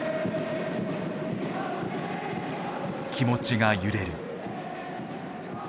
気持ちが揺れる。